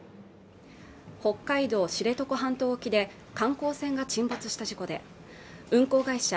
北海道知床半島沖で観光船が沈没した事故で運航会社